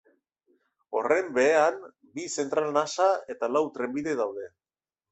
Horren behean, bi zentral nasa eta lau trenbide daude.